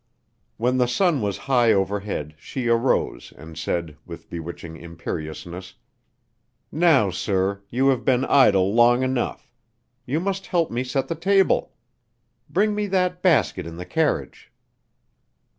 When the sun was high overhead she arose and said, with bewitching imperiousness: "Now, sir, you have been idle long enough; you must help me set the table. Bring me that basket in the carriage."